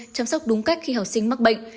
chăm sóc đúng cách khi học sinh mắc bệnh